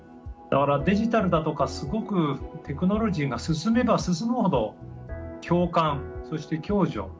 だからデジタルだとかすごくテクノロジーが進めば進むほど共感そして共助